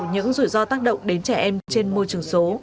giảm thiếu những rủi ro tác động đến trẻ em trên môi trường số